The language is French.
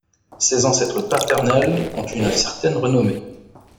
Ses ancêtres paternels ont une certaine renommée.